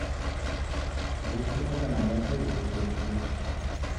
Pusi w'eka na meso ghighokie shuu